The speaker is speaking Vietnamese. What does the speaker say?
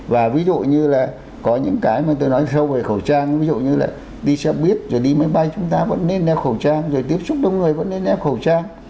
và ví dụ như là có những cái mà tôi nói theo về khẩu trang ví dụ như là đi xe buýt rồi đi máy bay chúng ta vẫn nên đeo khẩu trang rồi tiếp xúc đông người vẫn nên đeo khẩu trang